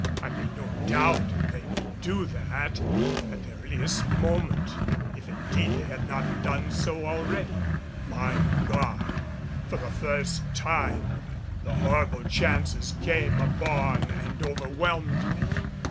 I made no doubt they would do that at the earliest moment if indeed they had not done so already. My God! For the first time the horrible chances came upon and overwhelmed me.